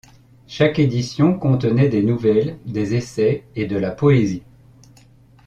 Chaque édition contenait des nouvelles, des essais et de la poésie.